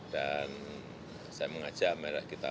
dan saya mengajak mereka kita